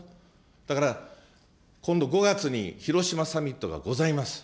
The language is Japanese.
だから、今度５月に、広島サミットがございます。